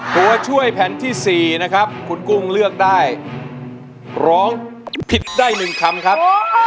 ตัวช่วยแผ่นที่๔นะครับคุณกุ้งเลือกได้ร้องผิดได้๑คำครับ